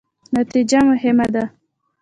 نتیجه مهمه ده